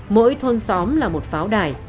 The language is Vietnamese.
mỗi thôn xóm là một pháo đài